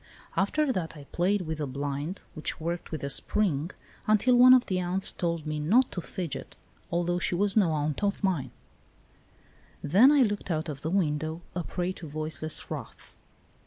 After that I played with the blind, which worked with a spring, until one of the aunts told me not to fidget, although she was no A RAILWAY JOURNEY 11 aunt of mine. Then I looked out of the window, a prey to voiceless wrath.